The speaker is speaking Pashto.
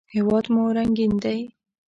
هېواد مو رنګین دی